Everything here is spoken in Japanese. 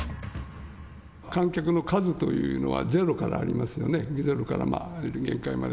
観客の数というのはゼロからありますよね、ゼロから限界まで。